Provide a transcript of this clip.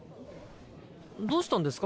どうしたんですか？